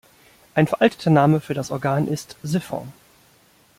Ein veralteter Name für das Organ ist "siphon".